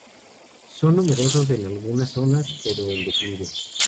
Son numerosos en algunas zonas, pero en declive.